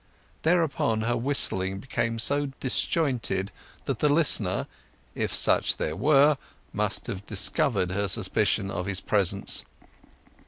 Thereupon her whistling became so disjointed that the listener, if such there were, must have discovered her suspicion of his presence.